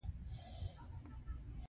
بوتل د انسان روغتیا ته مرسته کوي.